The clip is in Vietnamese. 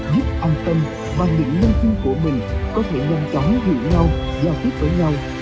giúp an tâm và những nhân viên của mình có thể nhanh chóng hiểu nhau giao tiếp với nhau